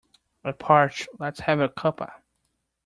I'm parched. Let's have a cuppa